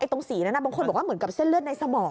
ตรงสีนั้นบางคนบอกว่าเหมือนกับเส้นเลือดในสมอง